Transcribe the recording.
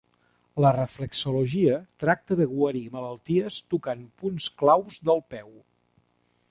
La reflexologia tracta de guarir malalties tocant punts claus del peu.